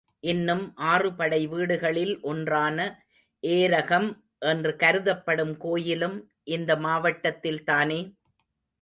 இன்னும் ஆறுபடை வீடுகளில் ஒன்றான ஏரகம் என்று கருதப்படும் கோயிலும் இந்த மாவட்டத்தில் தானே?